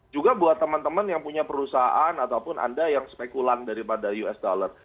juga buat teman teman yang punya perusahaan ataupun anda yang spekulan daripada us dollar